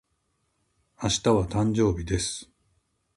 明日は、誕生日です。